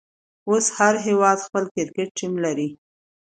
اوس هر هيواد خپل کرکټ ټيم لري.